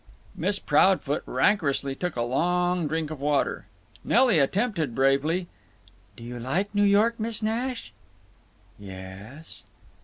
Miss Proudfoot rancorously took a long drink of water. Nelly attempted, bravely: "Do you like New York, Miss Nash?" "Yes."